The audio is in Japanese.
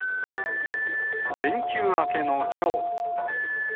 連休明けのきょう。